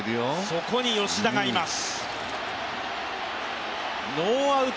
そこに吉田がいます。